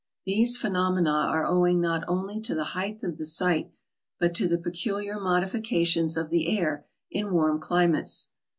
These phenomena are owing not only to the height of the site, but to the peculiar modifications of the air in warm climates.